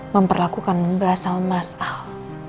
memperlakukan mbak sama mas al